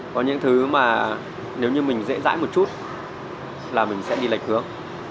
có những thứ mà nếu như mình dễ dãi một chút là mình sẽ đi lệch hướng